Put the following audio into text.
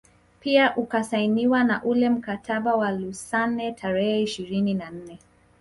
Pia Ukasainiwa na ule mkataba wa Lausanne tarehe ishirini na nne